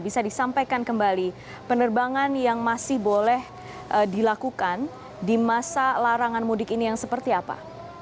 bisa disampaikan kembali penerbangan yang masih boleh dilakukan di masa larangan mudik ini yang seperti apa